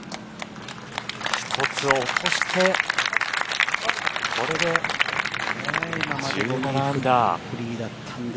１つ落としてこれで１７アンダー。